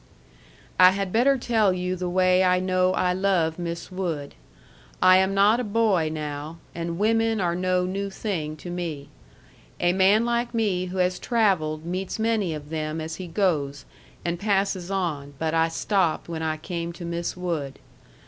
I had better tell you the way I know I love Miss Wood. I am not a boy now, and women are no new thing to me. A man like me who has travelled meets many of them as he goes and passes on but I stopped when I came to Miss Wood.